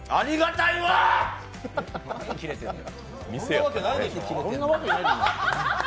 何キレてんだ。